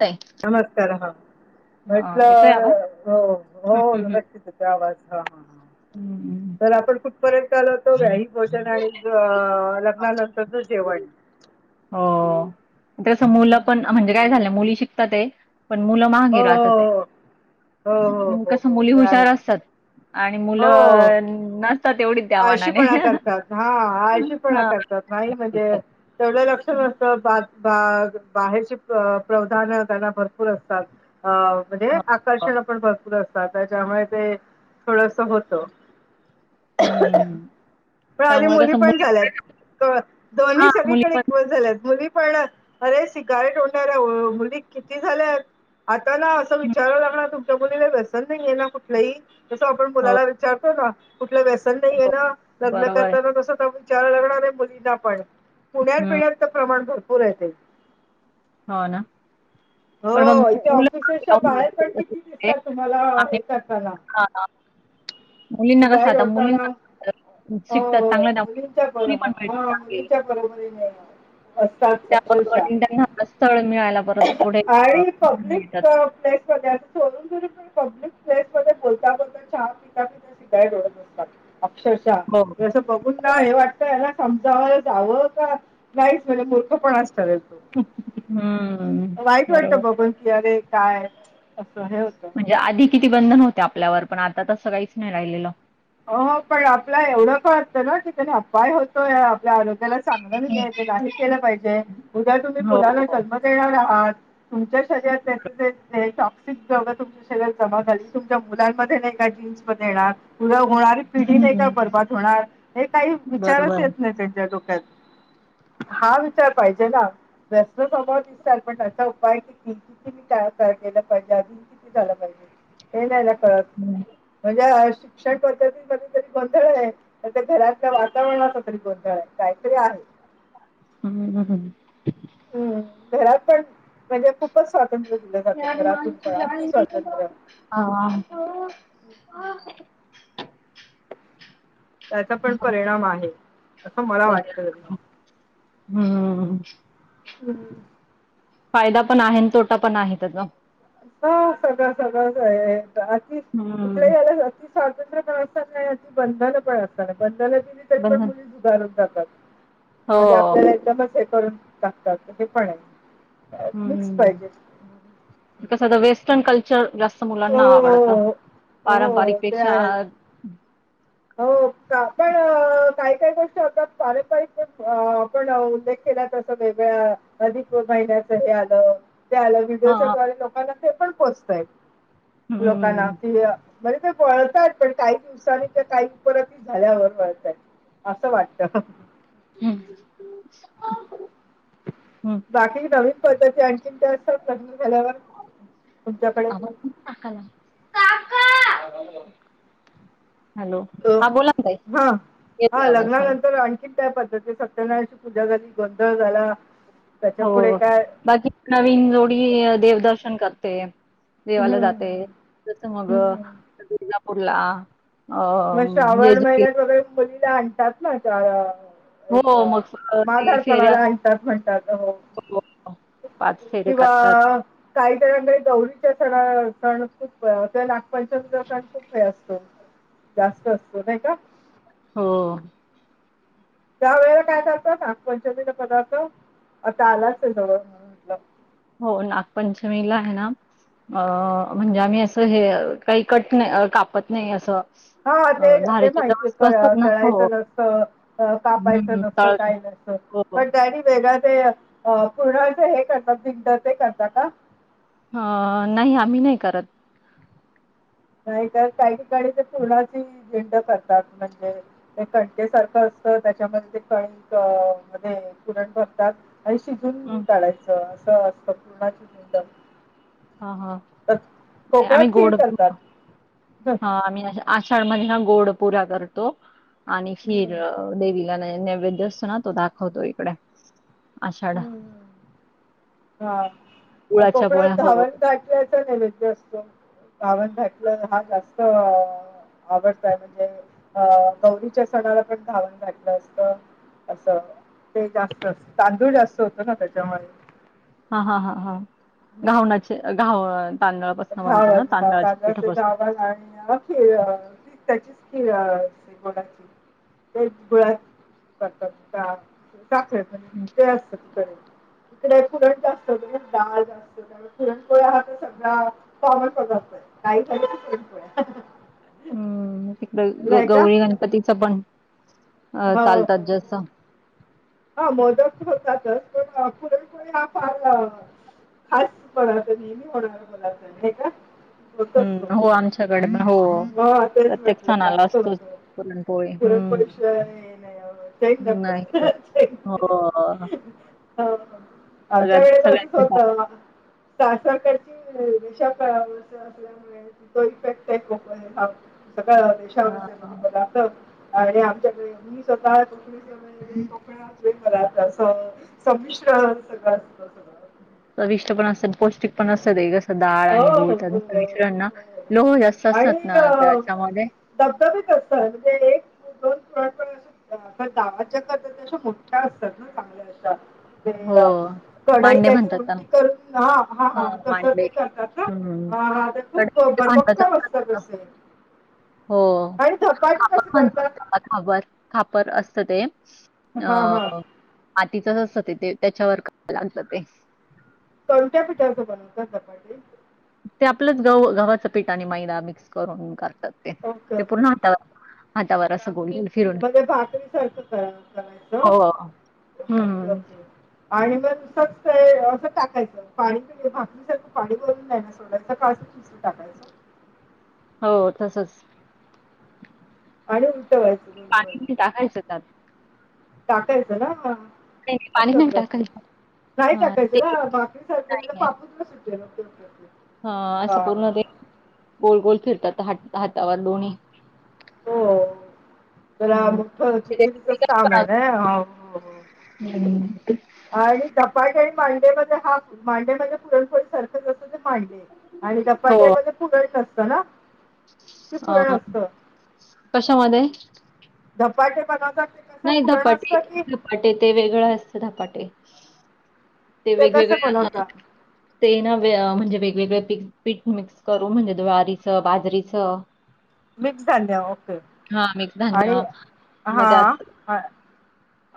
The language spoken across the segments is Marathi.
ताई. नमस्कार ह हा येतोय म्हटलं आवाज? हो हो हम्म हम्म. [unintelligible] आवाज हा ह हम्म. तर आपण कुठ पर्यंत आल होतो व्याही भोजन आणि लग्नानंतरचो जेवण हो तसं मुलं पण म्हणजे काय झालंय मुली शिकतात ते पण मुलं महागे हो राहतात आहे [inaudible] हो हो हो हो कसं हो मुली [inaudible] जा आहे हुशार असतात. आणि मुलं हो नसतात एवढीच त्या मानाने. आळशीपणा करतात हा आशीपणा हा. करतात नाही म्हणजे तेवढ लक्ष त बा बा बाहेरची प्रधान त्यांना भरपूर असतात अ म्हणजे हो. आकर्षण आपण करत र त्याच्यामुळे ते थोडस होत [inaudible] हम्म [inaudible] [inaudible] पण आधी त्यामुळे मुली कसं पण झाल्यात हा दोन्ही मुली सगळीकडे पण इक्वल झाल्यात मुली पण अरे सिगारेट होओंडऱ मुली किती झाल्या आता ना असं विचाराव लागणार तू मुलीला व्यसन नाही आहे ना कुठलंही जसं आपण हो मुलाला विचारतो ना लं व्यसन नाही आहे हो. ना लग्न बरोबर आहे. करताना तसं विचार लागणार आहे मुलींना पण पुण्यात हम्म. पिण्यात तर प्रमाण भरपूर आहे ते [inaudible] [inaudible] हो ना [inaudible] पण मग हो इथे मुलं मागे ऑफिसेसच्या राहून बाहेर पण जातात. किती दिसतात तुम्हाला आणि हेताना हा [inaudible] मुलींना कसं सुधय आता रोडता ना मुलींना [inaudible] हो शिकतात चांगलं त्या मुलींच्या बरो नोकरी हा पण मिळते मुलींच्या बरोबरी नाही [inaudible] त्याबंड स्थळ मिळाला परत पुढे अ, आणि पब्लिक मिळतात. प्लेस वगर सोडून पब्लिक [inaudible] ्स मध्ये बोलता बोलता चहा पिता पिता सिधाय डोडत असतात [inaudible] हो. अक्षरशः असं बघून ना हे वाटतय याला समजावाला जावं का नाहीच म्हणज मूर्ख पण असत तो [inaudible] हम्म वाटत बघून की अरे काय असं हे होत [inaudible] प्रतिबंधन होते आपल्यावर पण आता तसं काहीच नाही राहिलेलं हो पण आपला एवढं का असतं ना की त्याने अपाय होतो या आरोग्याला सांगलं नाही आहे ते नाही केलं पाहिजे उद्या तुम्ही हो, मुलाला हो. जन्म देणार आहात तुमच्या शरीरात त्याॉ तुमच्या शरीात जमा झाली तुमच्या मुलांमध्ये नाही का जीन्स म देणार उद होणारी पिढी नाही का हं. बर्बाद होणार हे काही बरोबर विचारच आहे. येत नाही त्यांच्या डोक्यात [inaudible] ह [inaudible] हा विचार पाहिजे ना प्रश्न सव विस्तार पण त्याचा उपाय किती किती विचार [inaudible] जे नाही कत हं. म्हणजे शिक्षण पद्धतीमध्ये तरी गोंधळ आहे तर त्या घरातल्या वातावरणाचा तरी गोंधळ आहे काहीतरी आहे ह [inaudible] हा [inaudible] [inaudible] हम्म घरात पण म्हणजे खूपच स्वतः स्वातंत्र्य [inaudible] मा त्याचा पण परिणाम आहे असं मला वाटत त [inaudible] हम [inaudible] फायदा पण आहे तोटा पण आहे त्याचा [inaudible] [inaudible] हा सगळं सगळंच आहे अति कुठल्या हं. याला अति स्वातंत्र्य असताना नाही अ बंधन पण असतना बंधन दिली तरी पण बंधन मुली जुगारून जातात हो [inaudible] म्हध आपल्याला एकदमच हे करून टाकतात हे पण आहे मिक्स पाहिजे [inaudible] आता वेस्टर्न कल्चर जास्त मुलांना हो आवडत हो हो, पारंपारिक ते पेक्षा आहे [inaudible] हो पण काय काय गोष्ट फारंार पण आपणख तस वेगळा अधिक महिन्याच हे आलं त्या व्हिडिओच्या हा द्वारे लोकांना ते पण पोहोचताय [inaudible] लोकांना हम्म कि म्हर ते वळतात पण काही दिवसांनी क काही उपर झाल्यावर वळतात [inaudible] असं वाटत. हम्म बाकी काही. स्वतःचे आणखीन का अस लग्न झाल्यावर, तुमच्याकडे हा. हॅलो, अ हा बोला ना ताई हा येतोय आवाज हो. ते सत्यनारायणची पूजा झाली गोंधळ झाला. त्याच्या हो पुढे काय बाकी नवीन जोडी देवदर्शन करते. देवाला हम्म जाते हम्म तस मग हम्म तुळजापूरला. अ मग श्रावण जेजुरी महिन्यात वगैरे मुलीला आणतात ना. एक हो मग स- ते माघार फेऱ्या पणाला आणतात म्हणतात हो. असतात, पाच फेरे किंवा करतात काही जणांकडे गौरीच्या सणाला सण खूप त्या नागपांचमीचा सण खूप हे असतो. जास्त असतो नाही का. हो. त्या वेळला काय करतं ना पंचमीला पदार्थ, आता आलाच जवळण म्हटलं. हो नागपंचमीला आहे ना. अ म्हणजे आम्ही असं हे काही कट नाही कापत नाही असं. हा अ, ते ते धारेच्या ज्या माहिती वस्तू असतात तळायच ना हो. यचं नसतं कापायचं हं, नसत तळण काय नसत. हो, हो. पण त्या आधी वेगळा ते अ पुढ असं हे करतात पिंपच ते करतात का. अ नाही आम्ही नाही करत. नाहीत काही ठिकाणी ते पुरणाची झेंड करतात म्हणजे ते कानक्की सरक असं ते त्याच्यामध्ये ते कही म्हण पुरण भरतात. आणि शिजून हं, काढायचं असं असतं पूर्णाची धिरडे. ह ह आम्ही गोड, करतात. हा आम्ही नाही. आषाड महीना गोड पुऱ्या करतो आणि खीर हम्म देवी ला नैवेद असतो ना तो दाखवतो इकडे. आषाढा हम्म हा पुुरणाच्या पोळ्या हवं. नैवेद असतो बावनटलं हा जास्त आवडतय म्हणजे, अ गौरीच्या सणाला पण धावण घातलं असत. अस ते जास्त जास्त होतो ना त्याच्यामुळे हा हा हा हा घावणाचे घाव तांदळापासून बनतो गावल ना हा तांदळाच्या तांदळाचे पिठापासून. घावन आणि अ खीर त्याचीच [unintelligible] दाख ते असत तडे. तडे फरंट असतो द डाळ जास्त त्या पूरणपोळ हा तर सगळा कॉमन पदार्थ. काही झालं की पुरणपोळ्या. हम्म तिकड ग नाही का गौरी गणपतीचं पण अ हो हो चालतात जस हा मोदक होतातच, पण पुरणपोळी हा फार हाच पदार्थ नेहमी होणारा पदार्थ नाही का? होत असतो हम्म हो आमच्याकडे पण हो. तेच प्रत्येक म्हटलं सणाला जास्त असतोच होतं. पुरणपोळी. हम्म नाही तो- [unintelligible] हो. नाही. आमच्या सगळ्यात वेळेस तसंच सगळ्यांची होतं. सासरकडची रेशाव असल्यामुळे तो इफेक्ट आहे खूप [unintelligible] सगळ्या देशावर हां पदार्थ आणि आमच्याकडे मी स्वतः सगळ्या पदार्थांच संमिश्रन सगळं असत सगळ. चविष्ट पण असेल पौष्टिक पण असेल [unintelligible] डाळ हो, आणि गुळ हो, हो, हो, मिश्रणना हो. लोह जास्त असतात ना त्याच्यामध्ये धबधबे कस म्हणजे एक दोन पुरणपोळ्या घातल्या. गावाच्या करत्यात तश्या मोठ्या असतात ना चांगल्या अश्या. ते हो अ कढई मांडे काहीतरी म्हणतात त्यांना उलटी करून हा हा हां तस मांडे हम्म भरभक्कम असतात अड असे [unintelligible] हो आणि धपाटे कसे खापर म्हणतात करतात त्याला खापर असं ते हा हा अ तिथ असतं ते त्याच्यावर काही [unintelligible] कोणत्या पिठाचं बनवता धपाटे? ते आपलंच गव गव्हाचं पिठ आणि मैदा मिक्स करून करतात ते ओके ते पुन्हा हातावर हातावर अस मग भाकरी सारखं करा करायचं? हो. ओके हं. ओके. आणि मग नुसतच ते असं टाकायचं. पाणी म्हणजे भाकरीसारखं पाणी भरून नाही ना सोडायचं? का अस [unintelligible] टाकायचं. हो तसच. आणि उलटवायचं दोन्ही पाणी नई टाकायचं वरून त्यात. टाकायचं ना हा. नाही पाणी नाही टाकायचं. नाही हां टाकायचं ते ना. भाकरी सारखे त्याचा पापुद्रा सुटल मग हा असं पूर्ण ते गोल गोल फिरतात हात हातावर दोन्ही. हो. हं. [unintelligible] ते चिखलीच रेसिपी च कशी काम आहे बनवतात? ना हो हो. हं. आणि धपाटे आणि मांडे मध्ये हा मांडे म्हणजे पुरणपोळी सारखेच असं मांडे आणि हो. धपाटामध्ये पुरण नसतं ना? की पुरण अ असतं कशामध्ये? धपाटे बनवतात ते कसं नाही पुरण धपाटे, असतं की धपाटे ते वेगळं असत धपाटे. ते कसं वेगवेगळ्या बनवता? ते नवे अ म्हणजे वेगवेगळे पी पीठ मिक्स करू म्हणजे द्वारीचं, बाजरीचं. मिक्स झांडिया ओके हां, मिक्स आणि धान्य. हा मग त्यात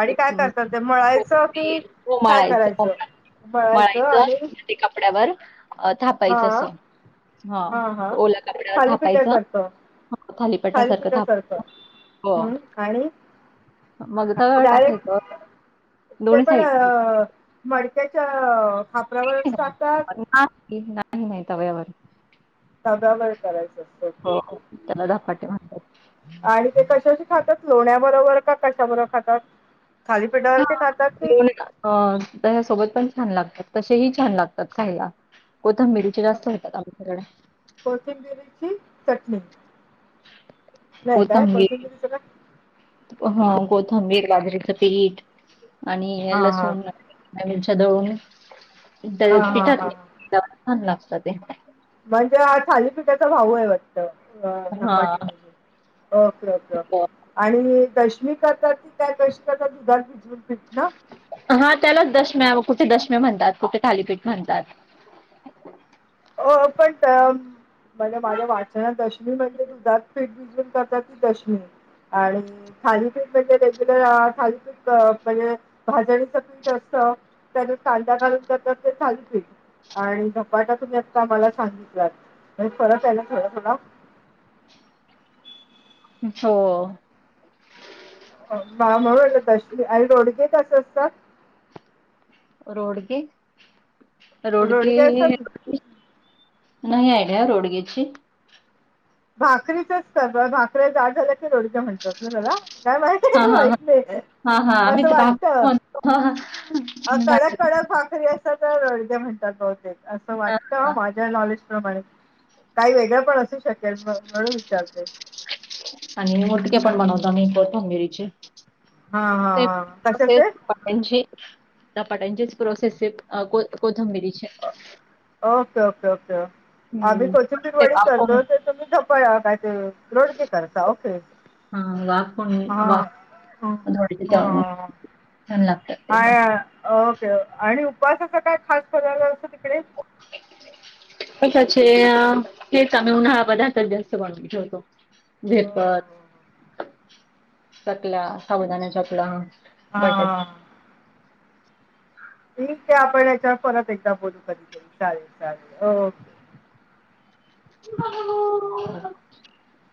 आणि ते काय अं, करतात ते मळायचं कि कोथिंबीर हो काय मळायचं हो करायचं? मळायचं आणि कपड्यावर अ हा थापायचं अस. हा ओला कपड्यावर थापायचं. थालीपीठासारखं थालीपीठासारखं थाप हो. हम्म आणि मग तव्यावर टाकायचं. डायरेक्ट ते दोन्ही पण साईडनी. अ मडक्याच्या खापरावरच टाकतात [unintelligible] नाही नाही नाही तव्यावर. तव्यावर करायच असत हो, त्याला धपाटे म्हणतात. आणि ते कशाशी? खातात लोण्या बरोबर का कशा बरोबर खातात. थालीपीठावर हा ते खातात की लोण्या अ दह्यासोबत पण छान लागतं. तसेही छान लागतात खायला कोथिंबीर चे जास्त होतात आमच्याकडे. ह चटणी. नाही काय कोथिंबीर कोथिंबिरीचं काय हा कोथिंबीर बाजरीच पीठ आणि हा हा लसूण, मिरच्या दळून हा हा पिठात मिक्स हा केल्यावर छान लागताते. म्हणजे हा थालीपीठाचा भाऊ आहे वाटतं. हां. धपाटे म्हणजे ओके ओके ओके आणि दश्मी करतात ती काय कशी करतात दुधात भिजून? हा त्यालाच दशम्या कुठे दशम्या म्हणतात, कुठे थालीपीठ म्हणतात. हो पण त्या अ म्हजे माझ्या वाचन्यात दशमी म्हणजे दुधात पीठ बिजून करता ती दशमी. आणि थालीपीठ म्हणजे रेग्युलर थालीपीठ म्हणजे भाजणीचं पीठ असत. त्याच्यात कांदा घालून करतात ते थालीपीठ आणि धपाटा तुम्ही अ ता मला सांगितलात आणि फरकेना थोडा थोडा. हो. [unintelligible] आणि रोडगे कस असतात. रोड के, रोड के. रोडगे असतात नाही आयडिया रोडग्याची. भाकरीचच तर भाकऱ्या जाड झाल्या की रोडगे म्हणतात ना त्याला. काय माहिती, हां, हां, हां. माहित नाही हां, हां. आम्ही असं तर वाटत. भाकरी म्हणतो. हां, हां. कडक भाकरी. कडक भाकरी असते तर रोडगे म्हणतात बहुतेक असं हां, हां. वाटतं माझ्या नॉलेज प्रमाणे काही वेगळं पण असू शकेल म्हणून विचारते. आणि मुटक्या पण बनवतो आम्ही कोथंबिरीचे. हा हा तेच हा तसेच कशाचे धपाट्यांची धपाट्यांचीच प्रोसेसत कोन कोन ओके ओके ओके. आम्ही हम्म. ते कोथिंबिरवडी वाफवून करतो त तुम्ही धपा काय ते रोडगे करता ओके. हा वाफुण हा ह वाफुन [unintelligible] लागत. हाय. ओके आणि उपवासाचा काय खास फराळ असतो तिकडे. कशाचे तेच आम्ही उन्हाळा पदार्थात जास्त बनवून ठेवतो. हो, वेफर्स, हो. चकल्या, साबुदाण्याचकल्या. हा. ठीके आपण याच्यावर परत एकदा बोलू कधीतरी चालेल चालेल ओके. [inaudible] [inaudible]